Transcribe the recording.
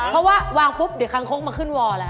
เพราะว่าวางปุ๊บเดี๋ยวคางคกมาขึ้นวอลแล้ว